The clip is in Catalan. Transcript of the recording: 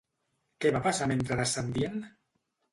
Què va passar mentre descendien?